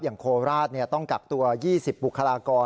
โคราชต้องกักตัว๒๐บุคลากร